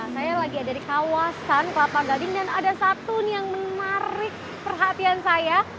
saya lagi ada di kawasan kelapa gading dan ada satu nih yang menarik perhatian saya